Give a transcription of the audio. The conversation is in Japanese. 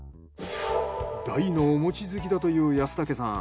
大のお餅好きだという安武さん。